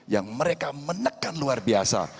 yang mereka menekan luar biasa